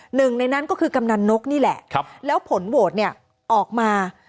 หนึ่งในนั้นก็คือกำนันนกนี่แหละแล้วผลโหวตเนี่ยออกมา